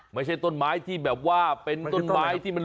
ไม่ใช่ต้นไม้ที่แบบว่าเป็นต้นไม้ที่มัน